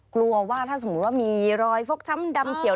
กลัวว่าถ้าสมมุติว่ามีรอยฟกช้ำดำเขียว